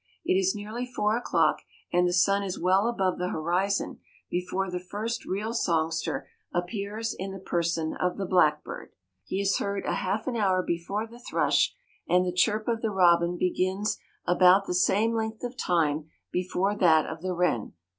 It is nearly 4:00 o'clock, and the sun is well above the horizon before the first real songster appears in the person of the blackbird. He is heard a half an hour before the thrush, and the chirp of the robin begins about the same length of time before that of the wren.